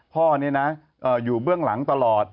พ่อนี่นะอยู่เบื้องหลังตลอด